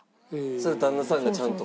それ旦那さんがちゃんと？